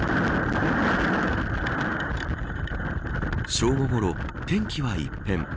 正午ごろ、天気は一変。